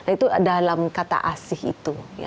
itu dalam kata asih itu